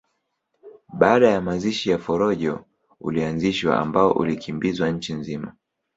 Baada ya mazishi ya Forojo ulianzishwa ambao ulikimbizwa nchi nzima